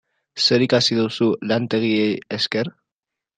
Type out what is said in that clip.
Zer ikasi duzu lantegiei esker?